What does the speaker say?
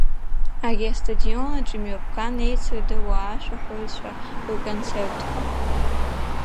Ари астадионаҿ имҩаԥган еицырдыруа ашәаҳәаҩцәа рконцертқәа.